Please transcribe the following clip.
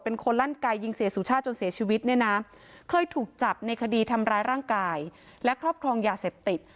เป็นคนลั่นไกยิงเสียสุชาติจนเสียชีวิตเนี่ยนะเคยถูกจับในคดีทำร้ายร่างกายและครอบครองยาเสพติด